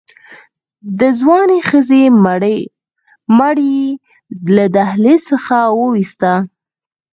د ځوانې ښځې مړی يې له دهلېز څخه ووېسته.